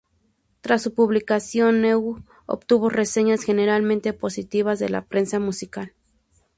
Tras su publicación, "New" obtuvo reseñas generalmente positivas de la prensa musical.